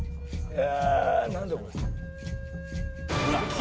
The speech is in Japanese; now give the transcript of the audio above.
え！